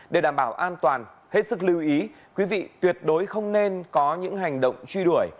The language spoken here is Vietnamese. để đảm bảo an toàn hết sức lưu ý quý vị tuyệt đối không nên có những hành động truy đuổi